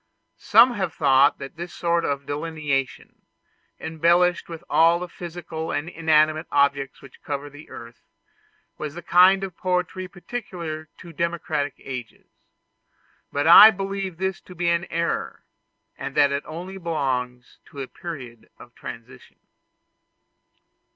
Some have thought that this sort of delineation, embellished with all the physical and inanimate objects which cover the earth, was the kind of poetry peculiar to democratic ages; but I believe this to be an error, and that it only belongs to a period of transition.